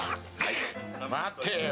待てよ！